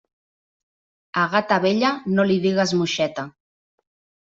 A gata vella, no li digues moixeta.